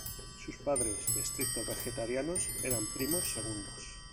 Sus padres, estrictos vegetarianos, eran primos segundos.